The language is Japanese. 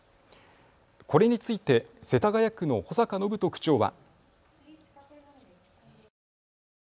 これについて世田谷区の保坂展人区長は。